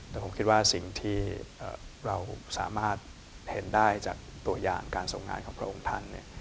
แต่ผมคิดว่าสิ่งที่เราสามารถเห็นได้จากตัวอย่างการส่งงานของพระองค์ท่าน